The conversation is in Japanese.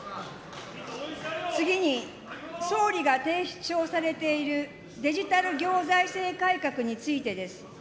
次に、総理が提唱されているデジタル行財政改革についてです。